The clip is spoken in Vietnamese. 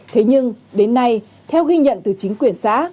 thế nhưng đến nay theo ghi nhận từ chính quyền xã